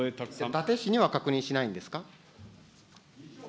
だて氏には確認しないんですか。